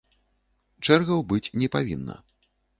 Чэргаў быць не павінна.